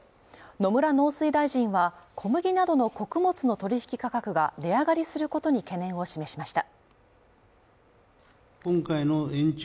野村農水大臣は、小麦などの穀物の取引価格が値上がりすることに懸念を示しました。